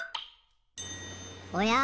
おや？